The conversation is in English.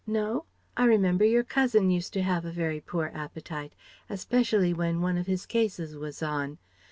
No? I remember your cousin used to have a very poor appetite, especially when one of his cases was on.